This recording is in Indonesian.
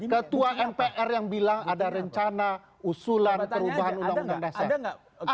ketua mpr yang bilang ada rencana usulan perubahan undang undang dasar